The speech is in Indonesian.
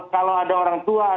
kalau ada orang tua